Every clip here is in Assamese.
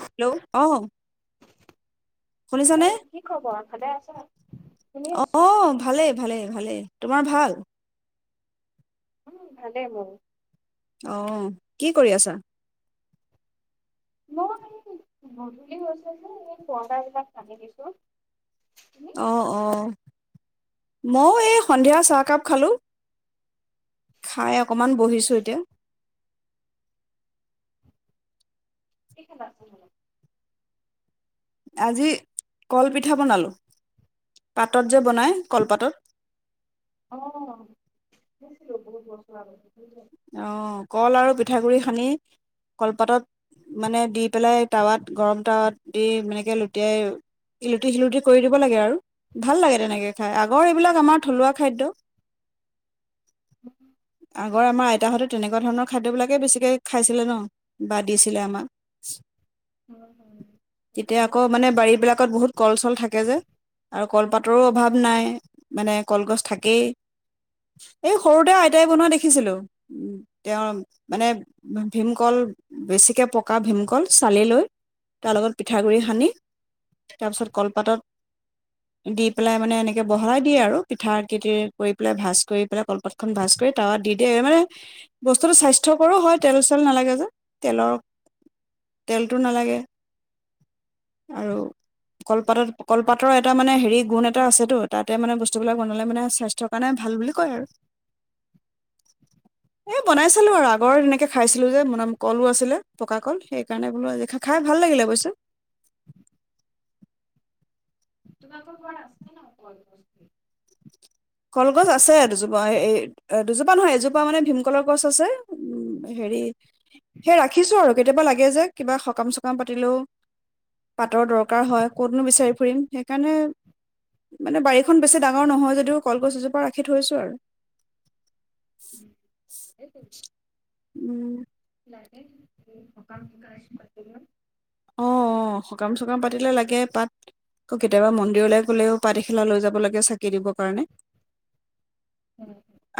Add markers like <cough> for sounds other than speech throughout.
হেল্ল' অ। অ শুনিছানে? কি খবৰ ভালে আছা, শুনি আছো। অ' ভালেই ভালেই ভালেই, তোমাৰ ভাল? উম, ভালেই মোৰ। অ' কি কৰি আছা? মই এই গধূলি হৈছে যে এই পৰ্দাৰ বিলাক তানি দিছো। তুমি অ অ। ময়ো এই সন্ধিয়া চাহকাপ খালোঁ। খাই অকনমান বহিছো এতিয়া। <unintelligible> আজি, কলপিঠা বনালোঁ। পাতত বনাই কলপাতত আছিলোঁ, বহুত বছৰ আগতে। অ', কল আৰু পিঠাগুৰি সানি কলপাত, মানে দি পেলাই টাৱাত, গৰম টাৱাত দি এনেকে লুটিয়াই, ইলুটি-শিলুটি কৰি দিব লাগে আৰু। ভাল লাগে তেনেকে খাই, আগৰ এইবিলাক আমাৰ থলুৱা খাদ্য। আগৰ আমাৰ আই তাহাঁতে তেনেকুৱা ধৰণৰ খাদ্যবিলাকে বেছিকে খাইছিলে ন, বা দিছিলে আমাক। তেতিয়া আকৌ মানে, বাৰীবিলাকত বহুত কল-চল থাকে যে, আৰু কলপাতৰো অভাৱ নাই, মানে কলগছ থাকেই। এই সৰুতে আইতাই বনোৱা দেখিছিলো। উম, তেওঁ মানে ভীমকল, বেছিকৈ পকা ভীমকল চালিলৈ তাৰ লগত পিঠাগুড়ি সানি, তাৰপিছত কলপাতত দি পেলাই মানে এনেকৈ বহলাই দিয়ে আৰু পিঠা <unintelligible> কৰি পেলাই ভাঁজ কৰি পেলাই, কলপাতখন ভাঁজ কৰি তাৱাত দি দিয়ে। এ মানে বস্তুটো স্বাস্থ্যকৰো হয়, তেল-চেল নালাগে যে। তেলৰ, তেলটো নালাগে আৰু কলপাতত, কলপাতৰ এটা মানে হেৰি, গুণ এটা আছেটো। তাতে মানে বস্তুবিলাক বনালে মানে স্বাস্থ্যৰ কাৰণে ভাল বুলি কয় আৰু। এ, বনাই চালো আৰু আগৰ তেনেকে খাইছিলো যে, মন, কলো আছিলে, পকা কল। সেইকাৰণে বোলো আজি খা-খাই ভাল লাগিলে অৱশ্যে। তোমাৰলোকৰ ঘৰত আছে ন, কলগছ? কলগছ আছে দুজোপা। এ, এ দুজোপা নহয়, এজোপা মানে ভীমকলৰ গছ আছে, উম, হেৰি সেই ৰাখিছো আৰু কেতিয়াবা লাগে যে, কিবা সকাম চকাম পাতিলেও, পাতৰ দৰকাৰ হয়, ক'তনো বিচাৰি ফুৰিম। সেইকাৰণে, মানে বাৰীখন বেছি ডাঙৰ নহয় যদিও কলগছ এজোপা ৰাখি থৈছো আৰু। এক ইনশ উহ তাকেই খকাম তেতিয়া ৰাইজ মাতিব অ অ খকাম চকাম পাতিলে লাগে পাত অ কেতিয়াবা মন্দিৰলৈ গলেও পাত এখিলা লৈ যাব লাগে চাকি দিবৰ কাৰণে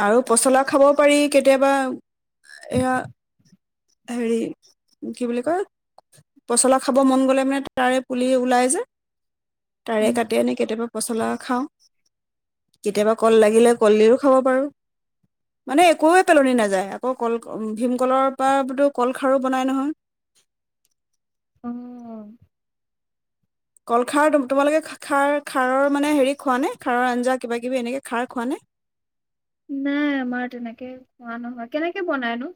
আৰু পছলা খাব পাৰি কেতি দেবাউ অ এয়া হেৰি কি বুলি কয় পচলা খাব মন গ'লে মানে তাৰে পুলি ওলাই যে তাৰে কাটি উম, আনি কেতিয়াবা পচলা খাওঁ কেতিয়াবা কল লাগিলে উম, কলডিলো খাব পাৰো মানে একো পেলনি নাযায় আকৌ কল ভীমকলৰ পৰাতো কলখাৰো বনাই নহয় কল খাৰ তোমালোকে খাৰ খাৰৰ মানে হেৰি খোৱা নে খাৰৰ আঞ্জা কিবা কিবি এনেকে খাৰ খোৱা নে নাই আমাৰ তেনেকে খোৱা নহয় কেনেকে বনাইনো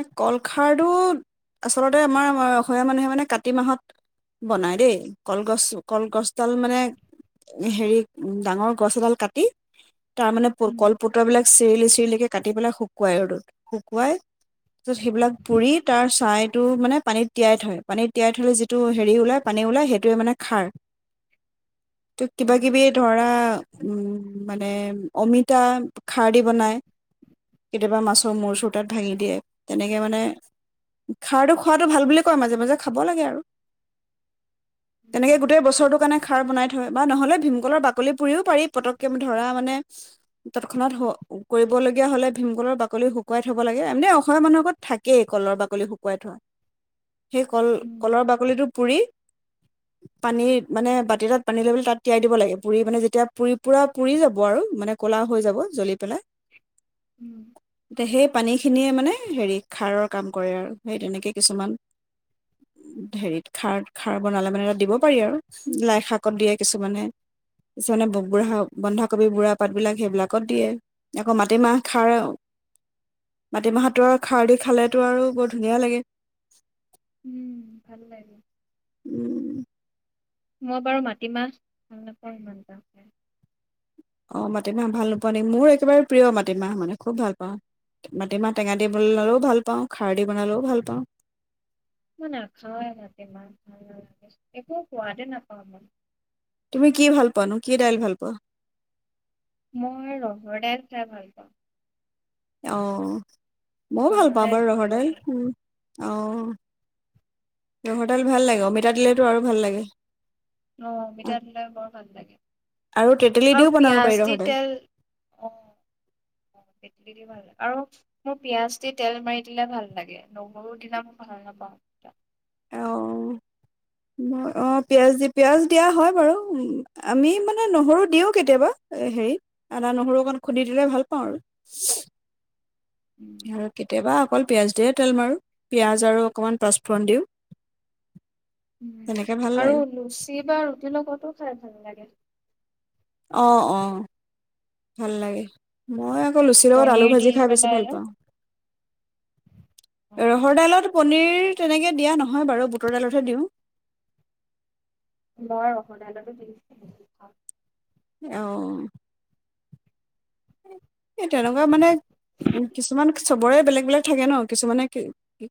এ কলখাৰটো আচলতে আমাৰ অসমীয়া মানুহে মানে কাতি মাহত বনায় দেই কলগছ কলগছডাল মানে হেৰি ডাঙৰ গছ এডাল কাটি তাৰ মানে প উম। কলপতৰা বিলাক চেলিচ তেলে কে কাটি পেলাই শুকুৱাই ৰ'দত শুকুৱাই ত সেইবিলাক পুৰি তাৰ ছাইটো মানে পানীত তিয়াই থয় পানীত তিয়াই থলে যিটো হেৰি ওলাই পানী ওলাই সেইটোৱে মানে খাৰ ত অ'। কিবা কিবি ধৰা উম মানে অমিতা খাৰ দি বনাই কেতিয়াবা মাছৰ মূৰ চোৰ তাত ভাঙি দিয়ে তেনেকে মানে খাৰটো খুৱাটো ভাল বুলি কয় মাজে মাজে খাব লাগে আৰু উম, তেনেকে গোটেই বছৰটো কাৰণে খাৰ বনাই থয় বা নহলে ভীমকলৰ বাকলি পুৰিও পাৰি পতককে ধৰা মানে তৎক্ষণাত কৰিবলগীয়া হলে ভীমকলৰ বাকলি শুকুৱাই থব লাগে এনেও অসমীয়া মানুহৰ ঘৰত থাকেই কলৰ বাকলি শুকুৱাই থোৱা। সেই কল উম, কলৰ বাকলিটো পুৰি পানী মানে বাতি এটাত পানী লৈপেলে তাত তিয়াই দিব লাগে পুৰি মানে যেতিয়া পুৰি পুৰা পুৰি যাব আৰু মানে ক'লা হৈ যাব জ্বলি <inaudible> উম, ত এ সেই সেইখিনিয়ে মানে হেৰি খাৰৰ কাম কৰে আৰু সেই তেনেকে কিছুমান হেৰিত খাৰ খাৰ বনালে মানে দিব পাৰি আৰু লাই শাকত দিয়ে কিছুমানে কিছুমানে বুঢ়া বন্ধাকবি বুঢ়া পাতবিলাক সেইবিলাকত দিয়ে আকৌ মাটিমাহ খাৰ মাটিমাহতো আৰু খাৰ দি খালে আৰু বৰ ধুনীয়া লাগে উম ভাল লাগে উম মই বাৰু মাটিমাহ ভাল নাপাওঁ ইমান এটা <unintelligible> অ মাটিমাহ ভাল নোপোৱা নেকি মোৰ একেবাৰে প্ৰিয় মাটিমাহ মানে খুব ভাল পাওঁ মাটিমাহ টেঙা দি বনালেও ভাল পাওঁ খাৰ দি বনালেও ভাল পাওঁ মই নেখাওঁয়ে মাটিমাহ ভাল নালাগে একো সোৱাদে নাপাওঁ মই তুমি কি ভাল পোৱানো? কি দাইল ভাল পোৱা। মই ৰহৰ দাইল খাই ভাল পাওঁ। অহ ময়ো ভাল ৰহৰ পাওঁ দাইল বাৰু ৰহৰ প্ৰিয় দাইল হয়। অ ৰহৰ দাইল ভাল লাগে অমিতা দিলেতো আৰু ভাল লাগে অ, অমিতা দিলে বৰ ভাল লাগে, আৰু তেতেলী দিও আৰু বনাব পাৰি পিয়াজ দি ৰহৰ দাইল তেল, অ', তেতেলী দি ভাল লাগে। আৰু মোৰ পিয়াজ দি তেল মাৰি দিলে ভাল লাগে, নহৰু দিনা মই ভাল নাপাওঁ। অ, অ, পিয়াজ দি, পিয়াজ দিয়া হয় বাৰু আমি মানে নহৰু দিওঁ কেতিয়াবা, হেৰি আদা-নহৰু অকণ খুন্দি দিলে ভাল পাওঁ আৰু। আৰু উম। কেতিয়াবা অকল পিয়াজ দিয়ে তেল মাৰোঁ, পিঁয়াজ আৰু অকমান পাঁচফোৰণ দিওঁ। তেনেকে ভাল আৰু লাগে লুচি বা ৰুটিৰ লগতো খাই ভাল লাগে। অ', অ', ভাল লাগে, মই আকৌ লুচিৰ লগত আলু পনীৰ দি ভাজি খাই বেছি পেলাই। ভাল যে। পাওঁ। অ', ৰহৰ ডাইলত পনীৰ তেনেকে দিয়া নহয় বাৰু বুটৰ দাইলতহে দিওঁ। মই ৰহৰ ডাইলটো <unintelligible> এ অ'। এই তেনেকুৱা মানে কিছুমান চবৰে বেলেগ, বেলেগ থাকে ন' কিছুমানে কি,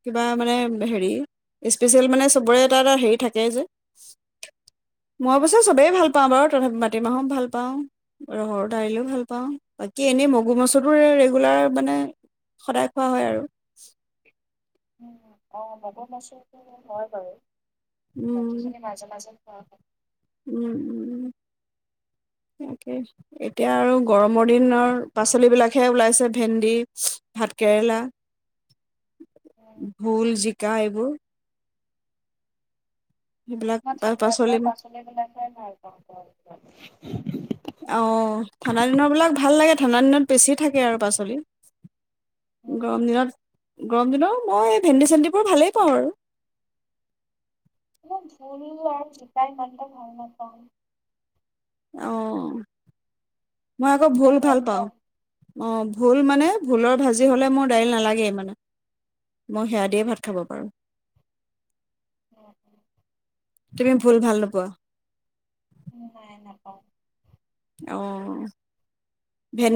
কিবা মানে হেৰি স্পেচিয়েল মানে চবৰে এটা, এটা হেৰি থাকেই যে। মই অৱশ্যে চবেই ভাল পাওঁ বাৰু। মাটিমাহো ভাল পাওঁ, ৰহৰ দাইলও ভাল পাওঁ। বাকী এনেই মগু মচুবোৰ ৰেগুলাৰ মানে সদায় খোৱা হয় আৰু। উম, অ', মগু মচুৰটো হয় বাৰু। বাকী উম খিনি মাজে মাজে অ'। উম, উম, তাকেই এতিয়া আৰু গৰমৰ দিনৰ পাচলিবিলাকহে ওলাইছে। ভেণ্ডি, ভাতকেৰেলা। উম, ভোল, জি কাৰ এইবোৰ? মই ঠাণ্ডা দিনৰ পাচলি বিলাকে ভাল পাওঁ <unintelligible> অ', ঠাণ্ডা দিনৰবিলাক ভাল লাগে, ঠাণ্ডা দিনত বেছি থাকে আৰু পাচল। গৰম উম, দিনত গৰম দিনৰো মই ভেণ্ডি-চেণ্ডিবোৰ ভালেই পাওঁ আৰু। মোক ভোল আৰু জিকা ইমানটা ভাল নাপাওঁ। অ'। মই আকৌ নে ভোল ভাল পাওঁ। পোৱা অ', ভোল মানে, ভোলৰ ভাজি হ'লে মোৰ দাইল নালাগেই মানে, মই সেয়া দিয়ে ভাত খাব পাৰোঁ। অ'। তুমি ভোল ভাল নোপোৱা? নাই নাপাওঁ। অ'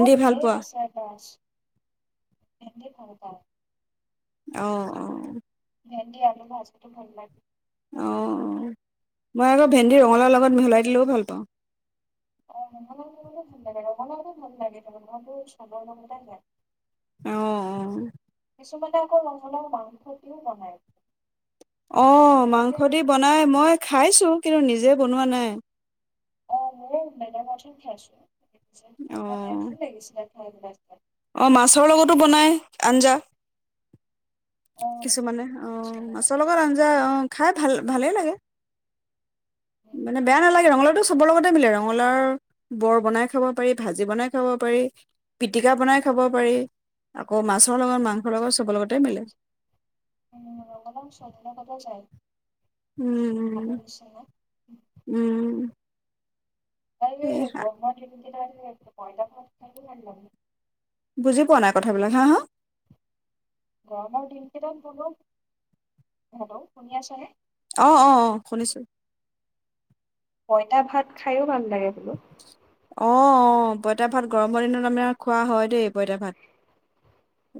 মই ভাল ঢেৰ পোৱা <unintelligible> বাছ। ভেণ্ডি ভাল পাওঁ। অ', অ ভেন্দি আলু ভাজিটো ভাল লাগে অঁ মই আকৌ ভেন্দি ৰঙালাও লগত মিহলাই দিলেও ভাল পাওঁ। অঁ ৰঙালাও <unintelligible> ভাল লাগে <unintelligible> মনবোৰ চবৰে লগতে যায়। অ', অ। কিছুমানে আকৌ ৰঙালওঁ মাংসত দিও বনাই। অ', মাংস দি বনাই মই খাইছো। কিন্তু নিজে বনোৱা নাই। অ', মোৰ <unintelligible> হে অ খাইছো। এ লাগিছিলে <inaudible> অ', মাছৰ লগতো বনাই আঞ্জা। অ কিছুমানে অ', আচলতে মাছৰ লগত আঞ্জা অ', খাই ভাল ভালেই লাগে। মানে বেয়া নালাগে ৰঙলাউটো চ চবৰ লগতে মিলে ৰঙালাও বৰ বনাই খাব পাৰি ভাজি বনাই খাব পাৰি পিটিকা বনাই খাব পাৰি আক মাছৰ লগত মাংস লগত চবৰ লগতে মিলে। ৰঙালাউ <unintelligible> যায়। উম, আলু নিচিনা উম, উম। আৰু এই ই গ <unintelligible> <unintelligible> পইতাভাত <unintelligible> বুজি পোৱা নাই কথা বিলাক, হা, হা। গৰমৰ দিন কেইটাত বোলো হেল্ল' শুনি আছেনে? অ অ অ শুনিছো পইতা ভাত খাইওঁ ভাল লাগে বোলো। অ', অ', পইতা ভাত গৰমৰ দিনত আমাৰ খোৱা হয় দেই পইতা ভাত।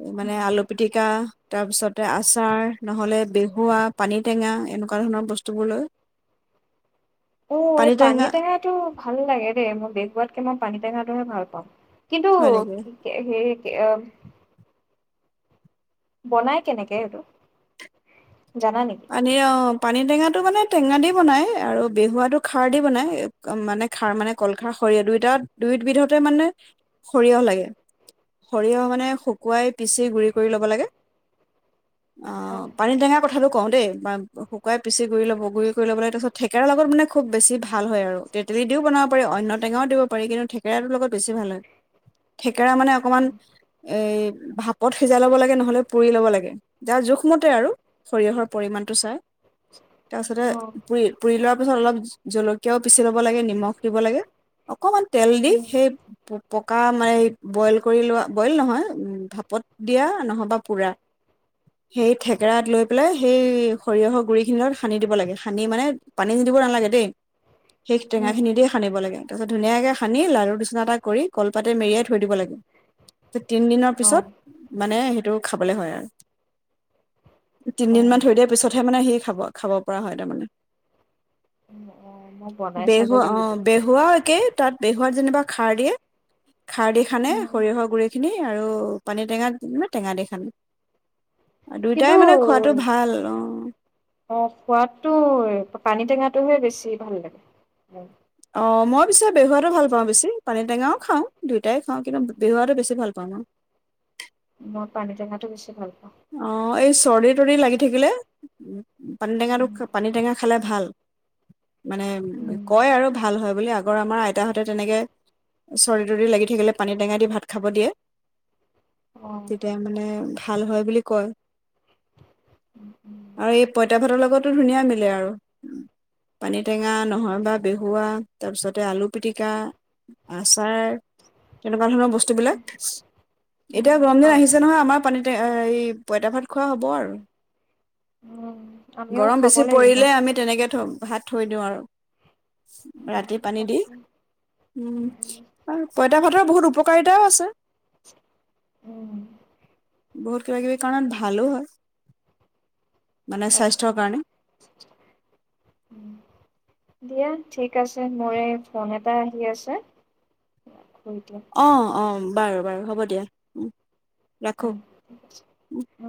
এ মানে আলু পিটিকা তাৰপিছতে আচাৰ নহ'লে বেহুৱা, পানীটেঙা এনেকুৱা ধৰণৰ বস্তুবোৰ লৈ। অ', এই পানী টেঙা পানীতেঙাটো ভাল লাগে দেই মই বেহোৱাতকে মই পানী টেঙাটোহে ভাল পাওঁ। কিন্তু হয় নেকি কি কে হেৰি <unintelligible> বনাই কেনেকে হেটো? পানীয়ে অ' পানী টেঙাত টো মানে টেঙা দি বনাই আৰু বেহুৱাটো খাৰ দি বনাই, মানে খাৰ মানে কল খাৰ সৰিয় দুইটাত- দুইবিধতে মানে সৰিয়হ লাগে, সৰিয়হ মানে শুকুৱাই পিচি গুৰি কৰি ল'ব লাগে। অ পানী টেঙা কথাটো কওঁ দেই বা শুকোৱাই পিছি গুৰি ল'ব, গুৰি কই লৈ পেলাই তাপিছত থেক কেৰা লগত মানে খুব বেছি ভাল হয় আৰু তেতেলি দিও বনাব পাৰি অন্য টেঙাও দিব পাৰি কিন্তু থেকেৰাটো লগত বেছি ভাল হয়। থে কেৰা মানে অকণমান এই ভাপ পথ সিজাই ল'ব লাগে নহ'লে পুৰি ল'ব লাগে। যাৰ-জোখমতে আৰু সৰিয়হৰ পৰিমাণটো চাই তাপিছতে অ পুই-পুৰি লোৱাৰ পিছত অলপ জলকীয়াও পিচি ল'ব লাগে, নিমখ দিব লাগে অকমান তেল দি উম, সেই প-পকা মানে বইল কৰি লোৱা বইল নহয় উ ভাপত দিয়া নহবা পোৰা হেই থেকেৰাত লৈ পেলাই হেই সৰিয়হৰ গুৰি খিনি লগত সানি দিব লাগে সানি মানে পানী দিব নালাগে দেই। সেইহ টেঙা উম, খিনি দিয়ে সানিব লাগে তাপিছত ধুনীয়াকে সানি লাৰু নিচনা এটা কৰি কলপাতে মেৰিয়াই থৈ দিব লাগে। তে তিন দিনৰ অ', পিছত মানে হেটো খাব বোলে হয় আৰু। তিন অ', দিন মান থৈ দিয়া পিছতহে মানে হি খাব। খাব পৰা হয় তামানে। উম, অ', মই বনাই চাব বেহুৱা লাগিব। অ' বেহুৱাও একেই তাত বেহুৱাত যেনিবা খাৰ দিয়ে। খাৰ দি খানে উম, সৰিয়হৰ গুৰি খিনি। আৰু পানী টেঙা <unintelligible> বা টেঙা দি খান আ দুইটাই মানে খোৱাটো অঅ', ভাল অ অ' খোৱাদটো পানী টেঙাত তুমি বেছি ভাল লাগে। উ। অঁ মই পিছে বেহুৱাটো ভাল পাওঁ বেছি, পানী টেঙাও খাওঁ, দুয়োটাই খাওঁ কিন্তু বেহুৱাটো বেছি ভাল পাওঁ মই। মই পানী টেঙাটো বেছি ভাল পাওঁ। অ' এই চৰ্দিত তুৰি লাগি থাকিলে পানী উম, টেঙাটো-পানী টেঙা খালে ভাল। মানে উম, কয় আৰু ভাল হয় বুলি আ। আগৰ আমাৰ আইতাহঁতে তেনেকে চৰি লাগি থাকোনী টেঙা দি ভাত খাব দিয়ে অ'। তেতিয়া মানে ভাল হয় বুলি কয় উম, উম, আৰু এই পঁইতা ভাতৰ লগত তো ধুনীয়া মিলে আৰু। পানী টেঙা উম, নহয় বা দৈ। হোৱা তাৰপিছতে আলু পিটিকা, আচাৰ তেনেকুৱা ধৰণৰ বস্তু বিলাক এতিয়া উম, গৰম দিন হয়, আহিছে হয়, নহয় আমাৰ পানীটে এই পইতা ভাত খোৱা হ'ব আৰু। উম, আমিও গৰম খাব বেছি লাগিব। পৰিলে আমি তেনেকে থম। ভাত থৈ দিওঁ আৰু। উম, ৰাতি পানী দি। তাকে, উম। <unintelligible> তা ভাতৰ বহুত উপকাৰিতাও আছে। উম। বহুত কিবাকিবি। কাৰণ ভালো হয়। মানে হয়, হয়, স্বাস্থ্যৰ কাৰণে। উম। দিয়া ঠিক আছে মই ফোন এটা আহি আছে। কৰি দিয়া। অহ, উম। বাৰু বাৰু হ'ব দিয়া। উম। অ <unintelligible> অ।